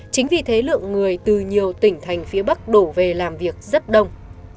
chính vì thế lượng người từ nhiều tỉnh thành phía bắc đổ về làm việc rất đông